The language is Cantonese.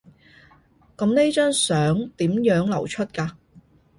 噉呢張相點樣流出㗎？